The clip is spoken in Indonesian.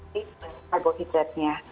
kita harus mencari karbohidratnya